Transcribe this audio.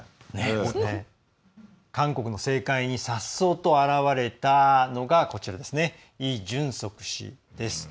韓国の政界にさっそうと現れたのがイ・ジュンソク氏です。